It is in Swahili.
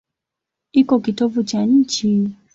Iko kitovu cha nchi.